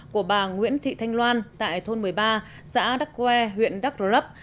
của bà nguyễn thị thanh loan tại thôn một mươi ba xã đắk que huyện đắk lắp